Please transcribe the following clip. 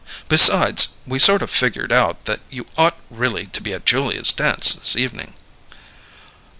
Besides, we sort of figured out that you ought really to be at Julia's dance this evening."